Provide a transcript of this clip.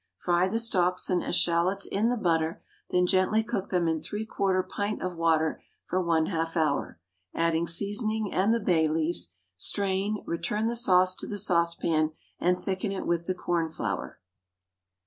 Fry the stalks and eschalots in the butter, then gently cook them in 3/4 pint of water for 1/2 hour, adding seasoning and the bay leaves; strain, return the sauce to the saucepan, and thicken it with the cornflour.